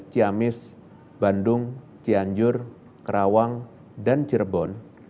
ciamis bandung cianjur kerawang dan cirebon